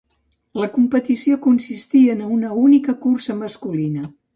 La competició consistí en una única cursa masculina.